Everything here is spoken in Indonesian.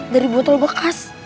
dari botol bekas